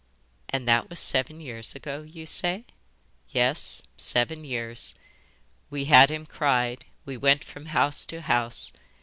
'And that was seven years ago, you say?' 'Yes, seven years: we had him cried we went from house to house.